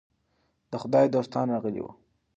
د خدای دوستان راغلي وو.